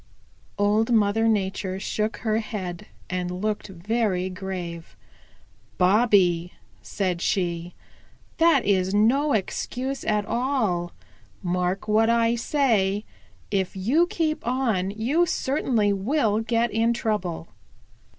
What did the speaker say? Old Mother Nature shook her head and looked very grave. "Bobby," said she, "that is no excuse at all. Mark what I say: If you keep on you certainly will get in trouble.